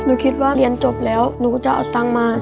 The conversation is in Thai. หนูคิดว่าเรียนจบแล้วหนูก็จะเอาเงินมา